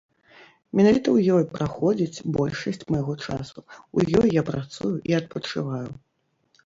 Менавіта ў ёй праходзіць большасць майго часу, у ёй я працую і адпачываю.